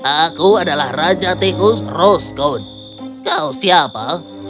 aku adalah raja tikus roskon kau siapa